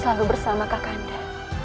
selalu bersama kak kanda